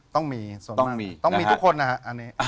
ต้องมีต้องมีทุกคนนะฮะอันนี้